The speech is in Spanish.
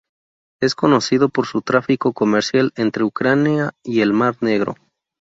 Es conocido por su tráfico comercial entre Ucrania y el mar Negro.